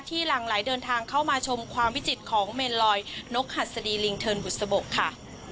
หลังไหลเดินทางเข้ามาชมความวิจิตของเมนลอยนกหัสดีลิงเทินบุษบกค่ะ